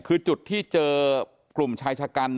คือจุดที่เจอกลุ่มใช้ชะการคือจุดที่เจอสิทธิ์สงสัย